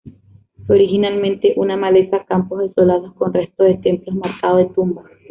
Fue originalmente una maleza, campos desolados con restos de templos marcados de tumbas.